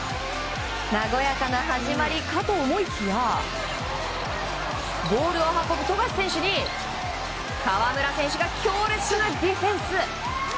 和やかな始まりかと思いきやボールを運ぶ富樫選手に河村選手が強烈なディフェンス。